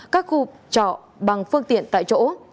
các khu trọ bằng phương tiện tại chỗ